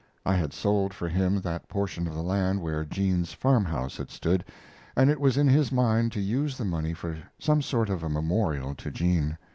I had sold for him that portion of the land where Jean's farm house had stood, and it was in his mind to use the money for some sort of a memorial to Jean.